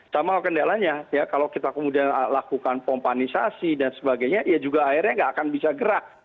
sama kendalanya ya kalau kita kemudian lakukan pompanisasi dan sebagainya ya juga akhirnya nggak akan bisa gerak